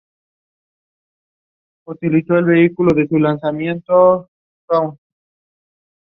No overall championship title will be awarded.